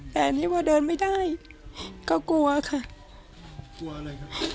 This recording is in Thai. แต่อันนี้พอเดินไม่ได้ก็กลัวค่ะกลัวอะไรครับ